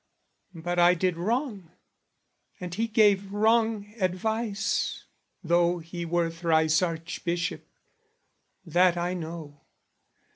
But I did wrong, and he gave wrong advice Though he were thrice Archbishop, that, I know!